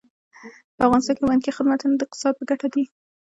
په افغانستان کې بانکي خدمتونه د اقتصاد په ګټه دي.